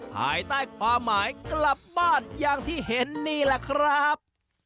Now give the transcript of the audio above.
ภายใต้ความหมายกลับบ้านอย่างที่เห็นนี่แหละครับ